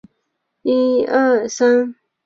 他们觉得德占波兰的问题是黑市贸易。